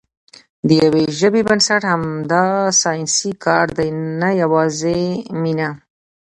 د یوې ژبې بنسټ همدا ساینسي کار دی، نه یوازې مینه.